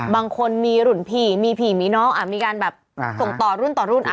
บางคนมีรุ่นพี่มีผีมีน้องมีการแบบส่งต่อรุ่นต่อรุ่น